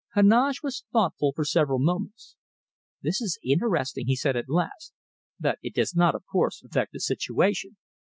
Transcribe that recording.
Heneage was thoughtful for several moments. "This is interesting," he said at last, "but it does not, of course, affect the situation."